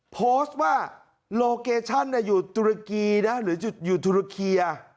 โพสต์ว่าโลเคชั่นอยู่ตุรกีนะหรืออยู่ทุรเคีย